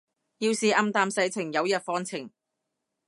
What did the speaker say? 要是暗淡世情有日放晴